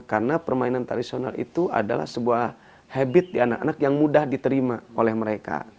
karena permainan tradisional itu adalah sebuah habit di anak anak yang mudah diterima oleh mereka